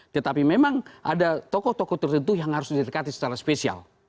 tetapi memang ada tokoh tokoh tertentu yang harus didekati secara spesial